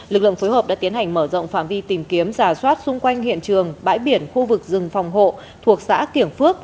lực lượng phối hợp đã tiến hành mở rộng phạm vi tìm kiếm giả soát xung quanh hiện trường bãi biển khu vực rừng phòng hộ thuộc xã kiểng phước